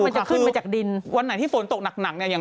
มันจะขึ้นมาจากดินวันไหนที่ฝนตกหนักหนักเนี่ยอย่าง